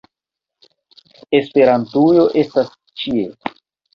- Esperantujo estas ĉie!